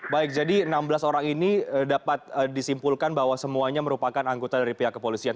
baik jadi enam belas orang ini dapat disimpulkan bahwa semuanya merupakan anggota dari pihak kepolisian